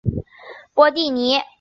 波蒂尼。